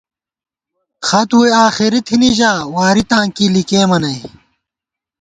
خط ووئی آخېری تھنی ژا ، واری تاں لِکېمہ نئ